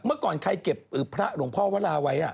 เมื่อก่อนใครเก็บพระหลวงพ่อวราไว้